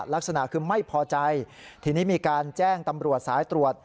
ลักษณะคือไม่พอใจทีนี้มีการแจ้งตำรวจสายตรวจ